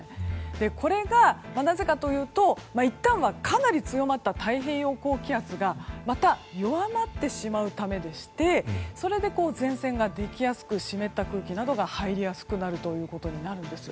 これがなぜかというといったんはかなり強まった太平洋高気圧がまた弱まってしまうためでしてそれで、前線ができやすく湿った空気などが入りやすくなるんだそうです。